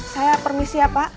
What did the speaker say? saya permisi ya pak